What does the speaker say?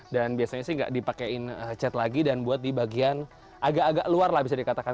dan biasanya sih nggak dipakein cet lagi dan buat di bagian agak agak luar lah bisa dikatakan